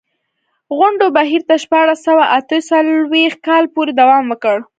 غونډو بهیر تر شپاړس سوه اته څلوېښت کال پورې دوام وکړ.